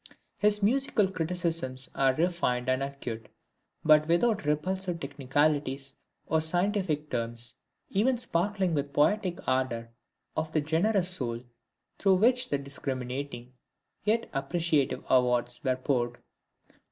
His musical criticisms are refined and acute, but without repulsive technicalities or scientific terms, ever sparkling with the poetic ardor of the generous soul through which the discriminating, yet appreciative awards were poured.